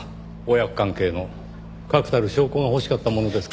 親子関係の確たる証拠が欲しかったものですから。